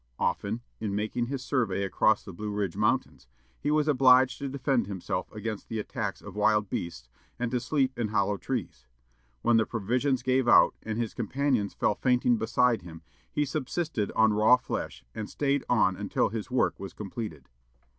Often, in making his survey across the Blue Ridge Mountains, he was obliged to defend himself against the attacks of wild beasts, and to sleep in hollow trees. When the provisions gave out, and his companions fell fainting beside him, he subsisted on raw flesh, and stayed on until his work was completed.